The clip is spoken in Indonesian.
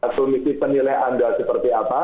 komisi penilai anda seperti apa